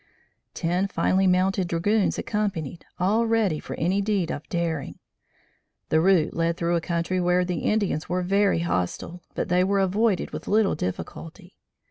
Ten finely mounted dragoons accompanied, all ready for any deed of daring. The route led through a country where the Indians were very hostile, but they were avoided with little difficulty.